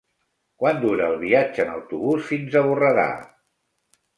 Quant dura el viatge en autobús fins a Borredà?